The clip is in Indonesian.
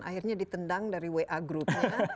akhirnya ditendang dari wa group